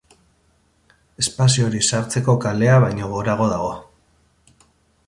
Espazio hori sartzeko kalea baino gorago dago.